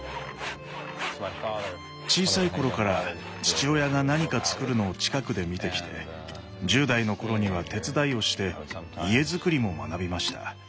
小さい頃から父親が何かつくるのを近くで見てきて１０代の頃には手伝いをして家づくりも学びました。